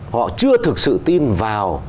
họ chưa thực sự tin vào